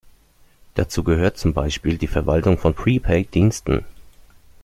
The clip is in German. Dazu gehört zum Beispiel die Verwaltung von Prepaid-Diensten.